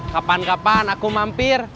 kapan kapan aku mampir